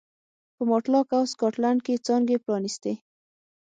په ماټلاک او سکاټلنډ کې څانګې پرانېستې.